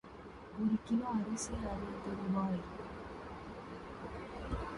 ‘It was because you disliked Mr. Heathcliff,’ she answered.